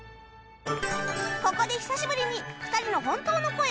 ここで久しぶりに２人の本当の声を聞いてみよう